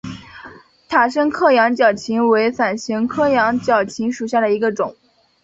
塔什克羊角芹为伞形科羊角芹属下的一个种。